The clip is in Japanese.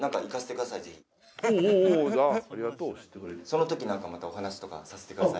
その時なんかまたお話とかさせてください。